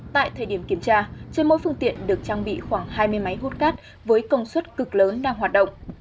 tại thời điểm kiểm tra trên mỗi phương tiện được trang bị khoảng hai mươi máy hút cát với công suất cực lớn đang hoạt động